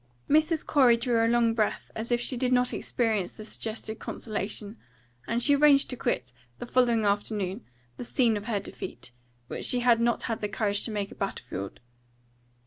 Mrs. Corey drew a long breath as if she did not experience the suggested consolation; and she arranged to quit, the following afternoon, the scene of her defeat, which she had not had the courage to make a battlefield.